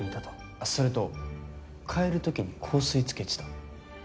あっそれと帰るときに香水つけてた。